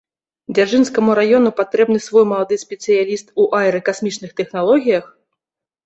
Дзяржынскаму раёну патрэбны свой малады спецыяліст у аэракасмічных тэхналогіях?